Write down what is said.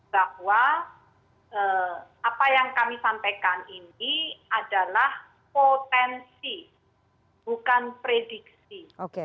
bahwa apa yang kami sampaikan ini adalah potensi bukan prediksi